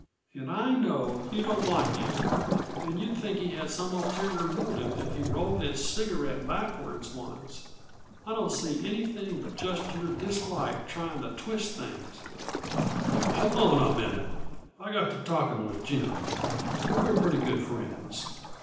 "And I know you don't like him, and you'd think he had some ulterior motive if he rolled his cigarette backward once! I don't see anything but just your dislike trying to twist things " "Well, hold on a minute! I got to talking with Jim, and we're pretty good friends.